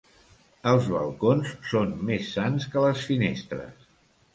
Els balcons són més sans que les finestres.